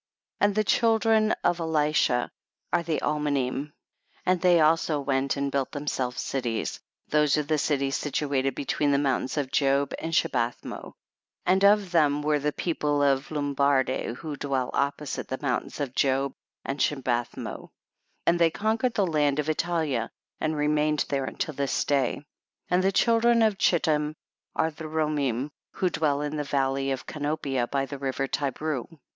15. And the children of Elishah are the Almanim, and they also went and built themselves cities ; those are the cities situate between the mountains of Job and Shibathmo ; and of them were the people of Lumbardi who dwell opposite the mountains of Job and Shibathmo, and they conquered the land of Itaha and remained there unto this day. 16. And the children of Chittim are the Romim who dwell in the valley of Canopia by the river Ti breu.